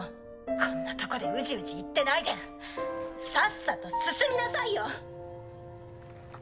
こんなとこでうじうじ言ってないでさっさと進みなさいよ。